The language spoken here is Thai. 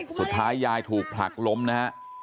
สุดท้ายยายถูกผลักล้มนะฮะ